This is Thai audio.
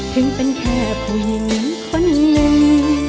ถึงเป็นแค่ผู้หญิงคนหนึ่ง